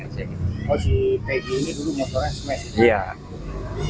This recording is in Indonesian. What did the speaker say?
oh si peggy ini motornya dulu smash gitu